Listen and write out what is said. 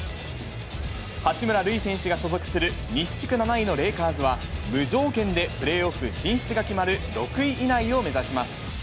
八村塁選手が所属する西地区７位のレイカーズは、無条件でプレーオフ進出が決まる６位以内を目指します。